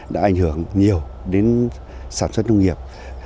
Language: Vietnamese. đã ảnh hưởng nhiều đến sản xuất nông nghiệp